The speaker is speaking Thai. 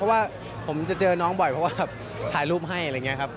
เพราะว่าผมจะเจอน้องบ่อยเพราะว่าถ่ายรูปให้อะไรอย่างนี้ครับ